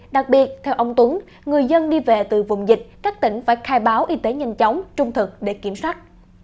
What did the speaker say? đặc biệt theo ông tuấn người dân đi về từ vùng dịch các tỉnh phải khai báo y tế nhanh chóng trung thực để kiểm soát